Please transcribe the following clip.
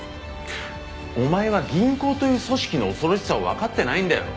お前は銀行という組織の恐ろしさをわかってないんだよ。